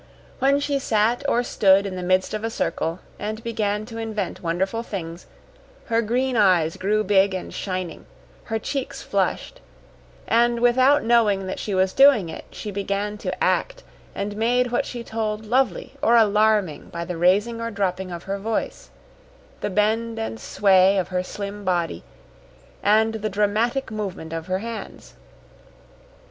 When she sat or stood in the midst of a circle and began to invent wonderful things, her green eyes grew big and shining, her cheeks flushed, and, without knowing that she was doing it, she began to act and made what she told lovely or alarming by the raising or dropping of her voice, the bend and sway of her slim body, and the dramatic movement of her hands.